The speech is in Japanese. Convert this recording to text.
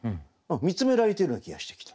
見つめられてるような気がしてきた。